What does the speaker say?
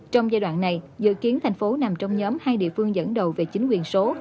trong giai đoạn này dự kiến thành phố nằm trong nhóm hai địa phương dẫn đầu về chính quyền số